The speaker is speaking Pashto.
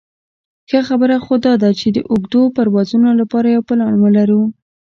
ښه خبره خو داده د اوږدو پروازونو لپاره یو پلان ولرو.